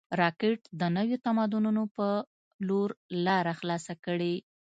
راکټ د نویو تمدنونو په لور لاره خلاصه کړې